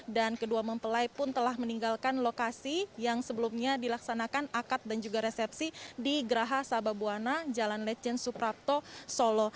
dan kedua mempelai pun telah meninggalkan lokasi yang sebelumnya dilaksanakan akad dan juga resepsi di geraha sababwana jalan lejen suprapto solo